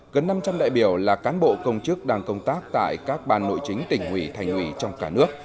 gần năm trăm linh đại biểu là cán bộ công chức đang công tác tại các ban nội chính tỉnh ủy thành ủy trong cả nước